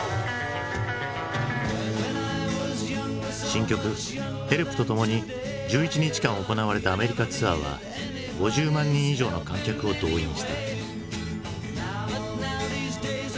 新曲「ヘルプ！」とともに１１日間行われたアメリカツアーは５０万人以上の観客を動員した。